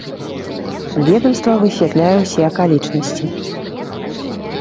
Ведамства высвятляе ўсе акалічнасці.